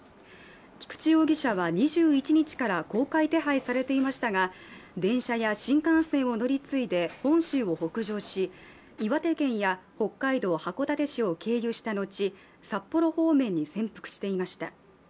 菊池容疑者は、２１日から公開手配されていましたが電車や新幹線を乗り継いで本州を北上し岩手県や北海道函館市を経由したのち、札幌方面に潜伏していました。